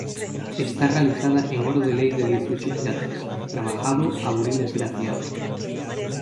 Está realizada en oro de ley de dieciocho quilates, trabajado a buril esgrafiado.